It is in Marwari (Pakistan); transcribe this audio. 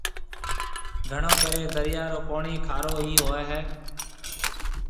گھڻو ڪريَ دريا رو پوڻِي کارو ئِي هوئي هيَ۔